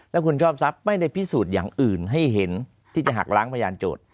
แล้วคุณชอบทรัพย์ไม่ได้พิสูจน์อย่างอื่นให้เห็นที่จะหักล้างพยานโจทย์